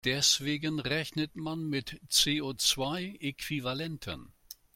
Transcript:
Deswegen rechnet man mit CO-zwei-Äquivalenten.